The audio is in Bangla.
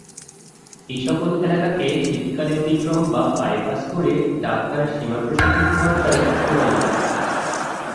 এই সকল এলাকাকে শীতকালে অতিক্রম বা বাইপাস করে ডাক্তার শ্যামাপ্রসাদ মুখোপাধ্যায় সুড়ঙ্গ।